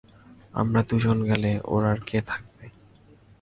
আমরা দুজনে গেলে ওঁর আর কে থাকবে?